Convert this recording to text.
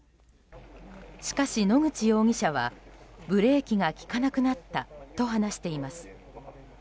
しかし野口容疑者はブレーキが利かなくなったと話しています。